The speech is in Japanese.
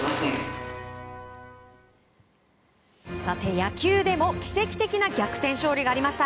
野球でも奇跡的な逆転勝利がありました。